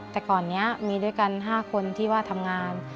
แต่ก่อนนี้มีด้วยกัน๕คนที่ว่าทำงาน